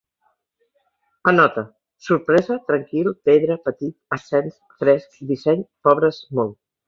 Anota: sorpresa, tranquil, pedra, petit, ascens, fresc, disseny, pobres, molt